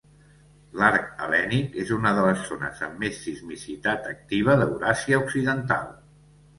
L'Arc Hel·lènic és una de les zones amb més sismicitat activa d'Euràsia occidental.